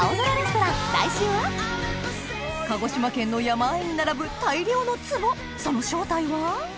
鹿児島県の山あいに並ぶ大量のツボその正体は？